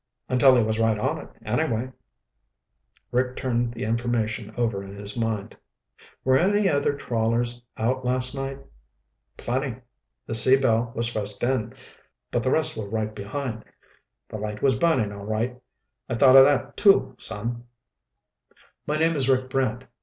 Until he was right on it, anyway." Rick turned the information over in his mind. "Were any other trawlers out last night?" "Plenty. The Sea Belle was first in, but the rest were right behind. The light was burning, all right. I thought of that, too, son." "My name is Rick Brant.